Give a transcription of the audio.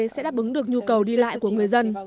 và brt sẽ đáp ứng được nhu cầu đi lại của người dân